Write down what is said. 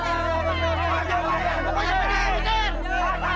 tidak ada apa pak